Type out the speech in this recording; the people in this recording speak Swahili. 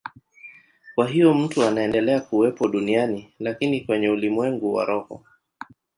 Kwa hiyo mtu anaendelea kuwepo duniani, lakini kwenye ulimwengu wa roho.